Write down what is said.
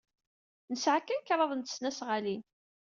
Nesɛa kan kraḍt n tesnasɣalin.